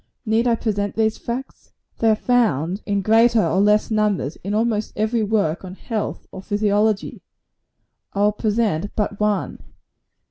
Need I present these facts? They are found, in greater or less numbers, in almost every work on health or physiology. I will present but one.